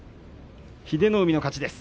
英乃海の勝ちです。